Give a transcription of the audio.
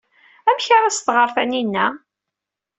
Amek ara as-tɣer Taninna?